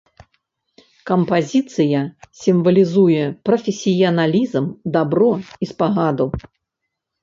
Кампазіцыя сімвалізуе прафесіяналізм, дабро і спагаду.